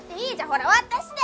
「ほら渡して」